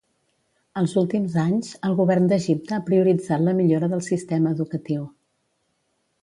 Els últims anys, el govern d'Egipte ha prioritzat la millora del sistema educatiu.